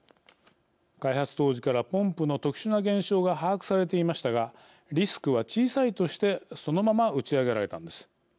開発当時からポンプの特殊な現象が把握されていましたがリスクは小さいとしてそのまま打ち上げられたのです。